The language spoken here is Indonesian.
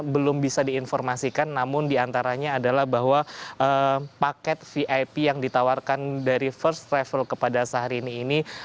belum bisa diinformasikan namun diantaranya adalah bahwa paket vip yang ditawarkan dari first travel kepada syahrini ini